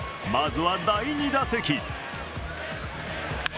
まずは第２打席。